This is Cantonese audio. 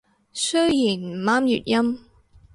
雖然唔啱粵音